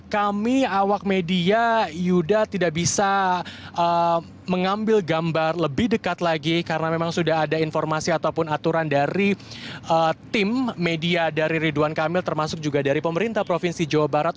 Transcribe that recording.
kami awak media yuda tidak bisa mengambil gambar lebih dekat lagi karena memang sudah ada informasi ataupun aturan dari tim media dari ridwan kamil termasuk juga dari pemerintah provinsi jawa barat